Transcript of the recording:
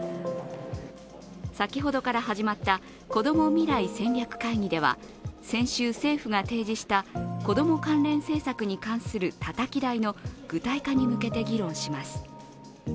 先ほどから始まったこども未来戦略会議では先週、政府が提示した子ども関連政策に関するたたき台の具体化に向けて議論します。